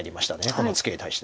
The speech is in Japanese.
このツケに対して。